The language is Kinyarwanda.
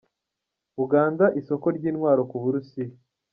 Uganda, isoko ry’intwaro ku Burusiya